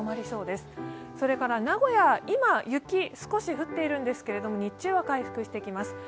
それから名古屋、今、雪少し降っているんですけれども日中は回復してきます。